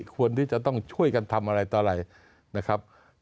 ควรที่จะต้องช่วยกันทำอะไรตลาย